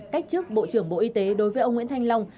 cách chức bộ trưởng bộ y tế đối với ông nguyễn thanh long